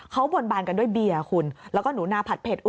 เขาบนบานกันด้วยเบียร์คุณแล้วก็หนูนาผัดเผ็ด